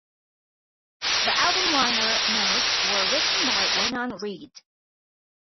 The album liner notes were written by Vernon Reid.